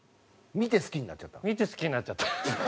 見て好きになっちゃった。